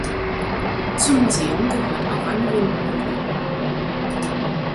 Zum Museum gehört auch eine Windmühle.